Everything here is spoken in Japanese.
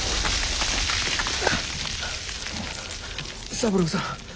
三郎さん。